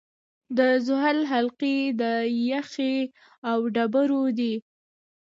د زحل حلقې د یخ او ډبرو دي.